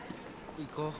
行こう